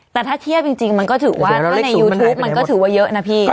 แต่ถ้าเทียบจริงมันก็ถือว่าถ้าในยูทูปมันก็ถือว่าเยอะนะพี่